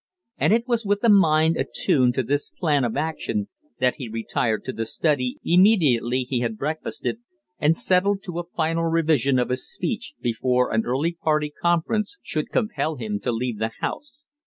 And it was with a mind attuned to this plan of action that he retired to the study immediately he had breakfasted, and settled to a final revision of his speech before an early party conference should compel him to leave the house.